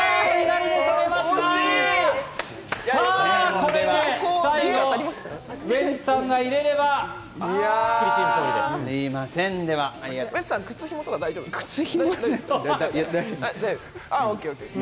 これで最後、ウエンツさんが決められればスッキリチーム勝利です。